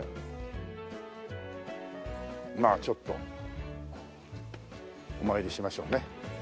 まあちょっとお参りしましょうね。